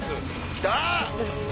来た！